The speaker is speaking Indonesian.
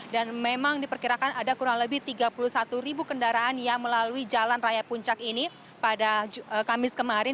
dan memang diperkirakan ada kurang lebih tiga puluh satu ribu kendaraan yang melalui jalan raya puncak ini pada kamis kemarin